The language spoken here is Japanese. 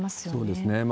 そうですね。